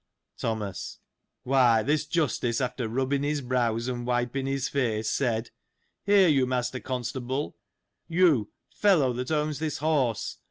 Thomas. — Why, th» Justice, after rubbing his brows, and wiping his face, said : Hear you, Master Constable ; you, fellow, that owns this horse.